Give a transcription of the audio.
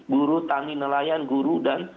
guru tangi nelayan guru dan